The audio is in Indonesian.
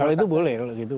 kalau itu boleh loh gitu